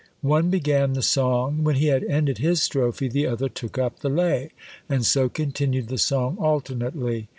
One began the song: when he had ended his strophe the other took up the lay, and so continued the song alternately.